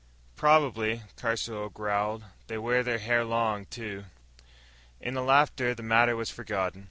"Probably," Caruso growled, "they wear their hair long, too." In the laughter, the matter was forgotten.